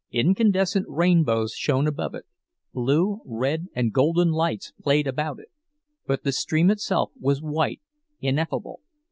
Incandescent rainbows shone above it, blue, red, and golden lights played about it; but the stream itself was white, ineffable.